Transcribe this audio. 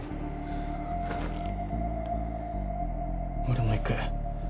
俺も行く。